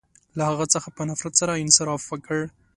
• له هغه څخه په نفرت سره انصراف وکړ.